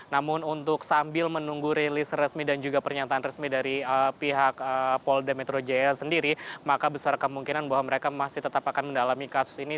namun untuk sambil menunggu rilis resmi dan juga pernyataan resmi dari pihak polda metro jaya sendiri maka besar kemungkinan bahwa mereka masih tetap akan mendalami kasus ini